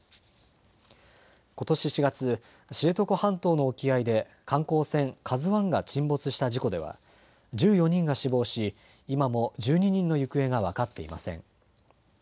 ことし４月、知床半島の沖合で観光船ＫＡＺＵＩが沈没した事故では１４人が死亡し今も１２人の行方が分かっていません。